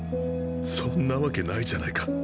そんなわけないじゃないか。